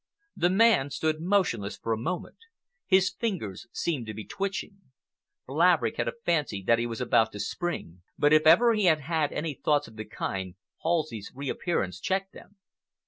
The man stood motionless for a moment. His fingers seemed to be twitching. Laverick had a fancy that he was about to spring, but if ever he had had any thoughts of the kind, Halsey's reappearance checked them.